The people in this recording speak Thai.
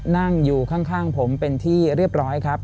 นั่งอยู่ข้างผมเป็นที่เรียบร้อยครับ